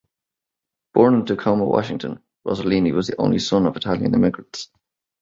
Born in Tacoma, Washington, Rosellini was the only son of Italian immigrants.